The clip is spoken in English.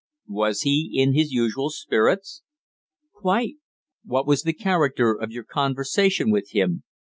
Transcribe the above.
"Was he in his usual spirits?" "Quite." "What was the character of your conversation with him?